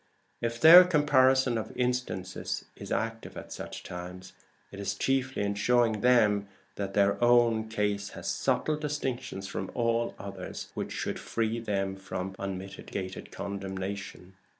If their comparison of instances is active at such times, it is chiefly in showing them that their own case has subtle distinctions from all other cases, which should free them from unmitigated condemnation.